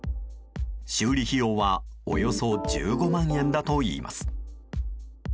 修理費用はおよそ１５万円だといいます。